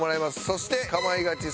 そして『かまいガチ』